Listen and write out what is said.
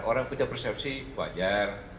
orang punya persepsi wajar